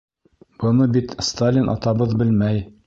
Быны бит Сталин атабыҙ белмәй.